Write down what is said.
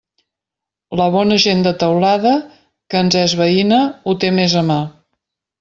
La bona gent de Teulada, que ens és veïna, ho té més a mà.